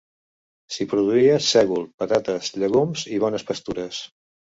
S'hi produïa sègol, patates, llegums i bones pastures.